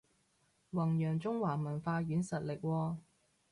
弘揚中華文化軟實力喎